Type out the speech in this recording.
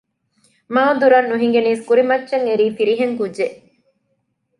މާ ދުރަށް ނުހިނގެނީސް ކުރިމައްޗަށް އެރީ ފިރިހެން ކުއްޖެއް